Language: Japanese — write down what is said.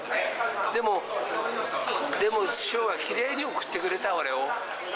でも、でも師匠はきれいに送ってくれた、俺を。